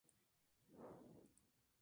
Escudo cuadrilongo.